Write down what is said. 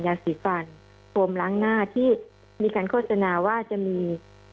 ยาสีฟันโฟมร้างหน้าที่มีใครล่ะฤทธินาญาว่าจะมี